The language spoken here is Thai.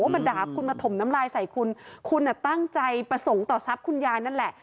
มาด่าคุณมาถมน้ำลายใส่คุณคุณตั้งใจประสงค์ต่อทรัพย์คุณยายนั่นแหละ